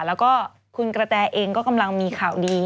แล้วก็คุณกระแตเองก็กำลังมีข่าวดี